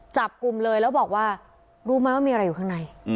จับกลุ่มเลยแล้วบอกว่ารู้ไหมว่ามีอะไรอยู่ข้างใน